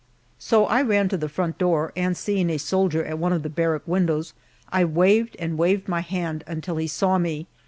So I ran to the front door, and seeing a soldier at one of he barrack windows, I waved and waved my hand until he saw me.